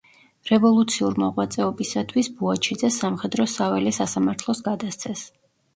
რევოლუციურ მოღვაწეობისათვის ბუაჩიძე სამხედრო-საველე სასამართლოს გადასცეს.